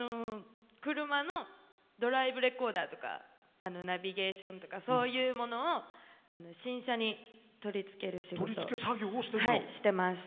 車のドライブレコーダーとかナビゲーションとかそういうものを新車に取り付ける仕事してます。